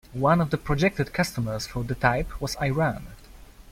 One of the projected customers for the type was Iran.